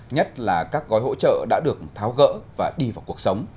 nhất là các gói hỗ trợ đã được tháo gỡ và đi vào cuộc sống